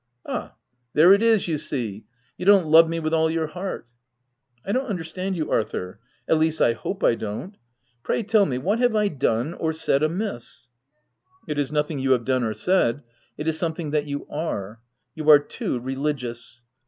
" Ah ! there it is, you see — you don't love me with all your heart." " I don't understand you, Arthur (at least, I hope I don't) : pray tell me what I have done or said amiss i" " It is nothing you have done or said ; it is something that you are : you are too religious.